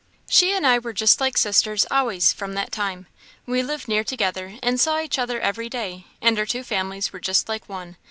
She and I were just like sisters always from that time. We lived near together, and saw each other every day, and our two families were just like one.